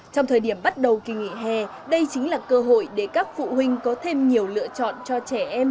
trong thời điểm bắt đầu kỳ nghỉ hè đây chính là cơ hội để các phụ huynh có thêm nhiều lựa chọn cho trẻ em